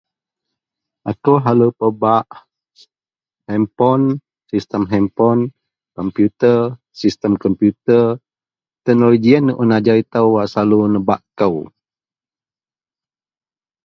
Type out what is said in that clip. akou selalu pebak handpon, sistem handpon, komputer, sistem komputer teknologi ien un ajau itou wak selalu nebak kou